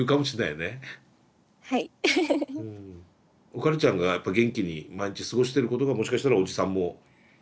おかるちゃんがやっぱ元気に毎日過ごしてることがもしかしたらおじさんも喜ぶことかもしれないからね。